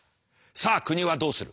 さあ国はどうする。